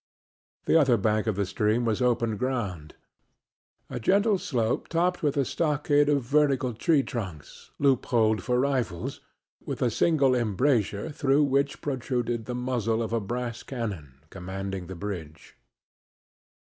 The other bank of the stream was open ground a gentle acclivity topped with a stockade of vertical tree trunks, loop holed for rifles, with a single embrasure through which protruded the muzzle of a brass cannon commanding the bridge.